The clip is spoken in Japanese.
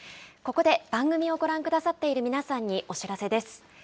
ここで番組をご覧くださっている皆さんにお知らせです。